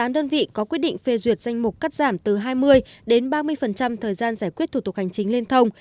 một mươi đơn vị có quyết định phê duyệt danh mục cắt giảm từ hai mươi đến ba mươi thời gian giải quyết thủ tục hành chính liên thông